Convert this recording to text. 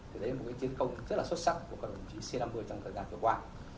thì đấy là một cái chiến công rất là xuất sắc của các đồng chí c năm mươi trong thời gian vừa qua